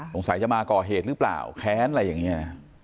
สงสัยจะมาก่อเหตุหรือเปล่าแค้นอะไรอย่างนี้